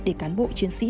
để cán bộ chiến sĩ